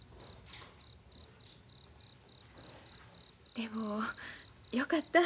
でもよかった。